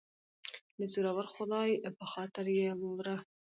دزورور خدای په خاطر یه واوره